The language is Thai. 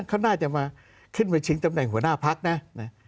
เขาน่าจะมาขึ้นมาชิงตำแหน่งหัวหน้าพักนะ